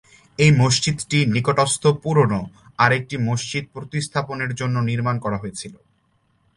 এই মসজিদটি নিকটস্থ পুরানো আরেকটি মসজিদ প্রতিস্থাপনের জন্য নির্মাণ করা হয়েছিল।